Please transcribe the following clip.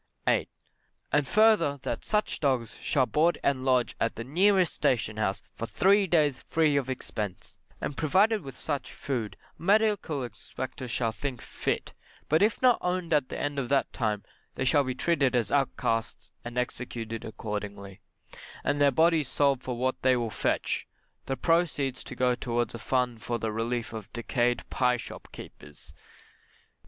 8. And further that such dogs shall board and lodge at the nearest station house for three days free of expence, and provided with such food a medical inspector shall think fit, but if not owned at the end of that time they shall be treated as outcasts and executed accordingly; and their bodies sold for what they will fetch, the proceeds to go towards a fund for the relief of decayed pie shop keepers.